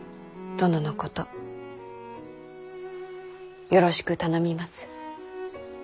殿のことよろしく頼みます。